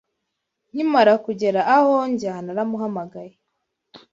Nkimara kugera aho njya, naramuhamagaye